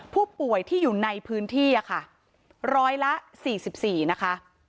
ผู้ป่วยที่อยู่ในพื้นที่ค่ะร้อยละ๔๔นะคะ